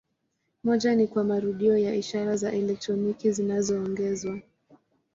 Moja ni kwa marudio ya ishara za elektroniki zinazoongezwa.